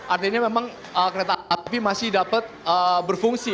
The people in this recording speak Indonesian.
artinya memang kereta api masih dapat berfungsi